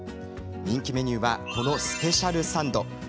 人気メニューはこのスペシャルサンド。